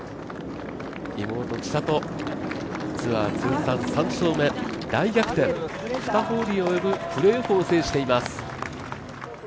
妹・千怜、ツアー通算３勝目、大逆転、２ホールに及ぶプレーオフを制しています。